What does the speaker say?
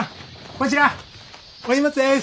こちらお荷物です！